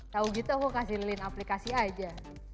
tau gitu aku kasih lilin aplikasi aja